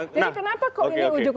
jadi kenapa kok ini ujung ujung